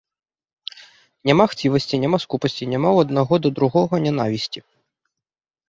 Няма хцівасці, няма скупасці, няма ў аднаго да другога нянавісці.